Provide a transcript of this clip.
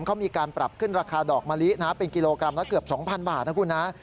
เขามีการปรับขึ้นราคาดอกมะลินะเป็นกิโลกรัมละเกือบ๒๐๐บาทนะคุณนะ